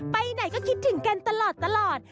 ไปไหนก็คิดถึงกันตลอด